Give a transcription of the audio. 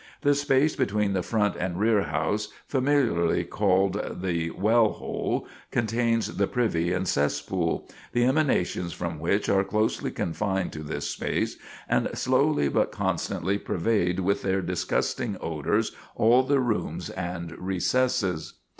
The space between the front and rear house, familiarly called the "well hole," contains the privy and cesspool, the emanations from which are closely confined to this space, and slowly but constantly pervade with their disgusting odors all the rooms and recesses.